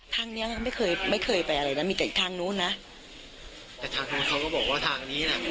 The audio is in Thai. และก็คิดว่าเสียงดัง